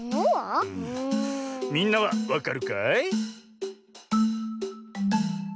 みんなはわかるかい？